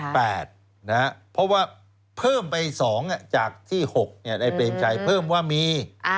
เพราะว่าเพิ่มไป๒จากที่๖ในเปรมชัยเพิ่มว่ามี